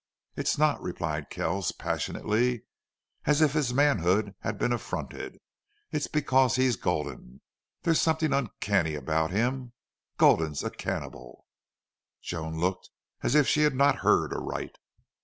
"It's not," replied Kells, passionately, as if his manhood had been affronted. "It's because he's Gulden. There's something uncanny about him.... Gulden's a cannibal!" Joan looked as if she had not heard aright.